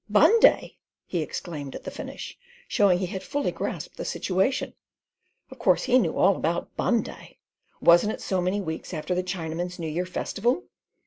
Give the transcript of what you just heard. "Bunday!" he exclaimed at the finish, showing he had fully grasped the situation. Of course he knew all about Bunday! Wasn't it so many weeks after the Chinaman's New Year festival?